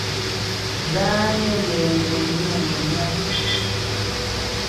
Dányə́ ghɛ́ghɔm nə ghɔmlá'.